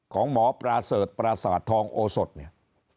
ของหมอประเสริฐปราสาททองโอสดเนี่ย